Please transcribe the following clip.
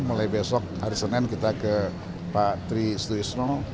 mulai besok hari senin kita ke pak tri suisno